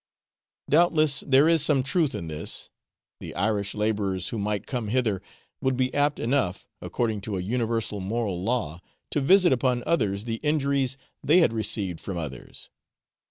Doubtless there is some truth in this the Irish labourers who might come hither, would be apt enough, according to a universal moral law, to visit upon others the injuries they had received from others.